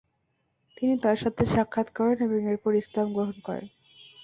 তিনি তার সাথে সাক্ষাত করেন ও এরপর ইসলাম গ্রহণ করেন।